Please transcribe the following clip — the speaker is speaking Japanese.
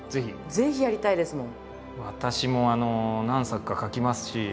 ぜひやりたいですもん。